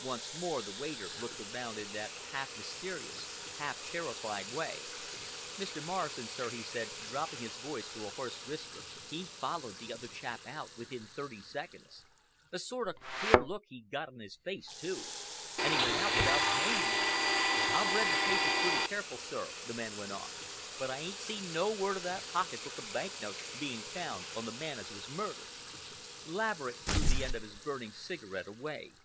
Once more the waiter looked around in that half mysterious, half terrified way. "Mr. Morrison, sir," he said, dropping his voice to a hoarse whisper, "he followed the other chap out within thirty seconds. A sort of queer look he'd got in his face too, and he went out without paying me. I've read the papers pretty careful, sir," the man went on, "but I ain't seen no word of that pocket book of bank notes being found on the man as was murdered." Laverick threw the end of his burning cigarette away.